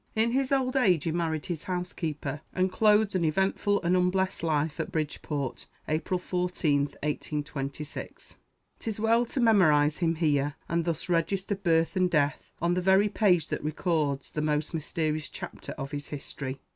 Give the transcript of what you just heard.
In his old age he married his housekeeper, and closed an eventful and unblessed life at Bridgeport, April 14, 1826. 'Tis well to memorize him here, and thus register birth and death on the very page that records the most mysterious chapter of his history.